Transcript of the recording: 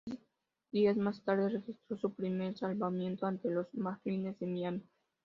Tres días más tarde registró su primer salvamento, ante los Marlins de Miami.